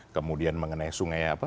kemudian mengenai sungai